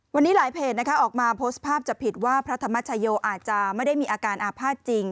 วันนี้หลายเพจนะคะออกมาโพสต์ภาพจะผิดว่าพระธรรมชโยอาจจะไม่ได้มีอาการอาภาษณ์จริง